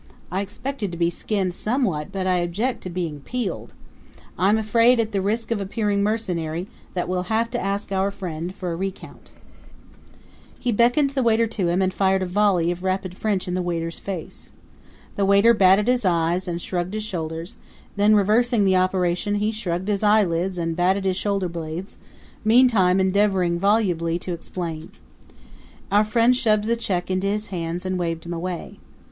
I expected to be skinned somewhat, but I object to being peeled. I'm afraid, at the risk of appearing mercenary, that we'll have to ask our friend for a recount." He beckoned the waiter to him and fired a volley of rapid French in the waiter's face. The waiter batted his eyes and shrugged his shoulders; then reversing the operation he shrugged his eyelids and batted his shoulderblades, meantime endeavoring volubly to explain. Our friend shoved the check into his hands and waved him away.